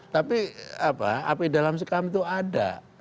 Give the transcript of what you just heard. tapi api dalam sekam itu ada